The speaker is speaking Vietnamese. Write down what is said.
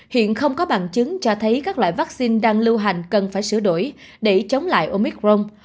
hiện không có bằng chứng cho thấy các loại vaccine đang lưu hành cần phải sửa đổi để chống lại omicron